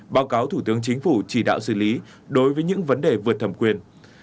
báo cáo thủ tướng chính phủ chỉ đạo xử lý đối với những vấn đề vượt thẩm quyền